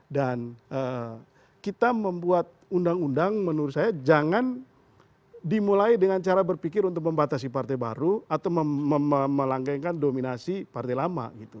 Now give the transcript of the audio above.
dan kita membuat undang undang menurut saya jangan dimulai dengan cara berpikir untuk membatasi partai baru atau melanggengkan dominasi partai lama